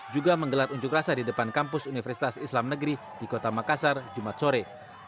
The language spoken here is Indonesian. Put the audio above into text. juga menggelar unjuk rasa di depan kampus universitas islam negeri di kota makassar jumat sore